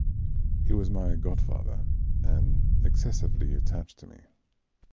He was my godfather, and excessively attached to me.